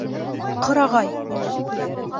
Ҡырағай!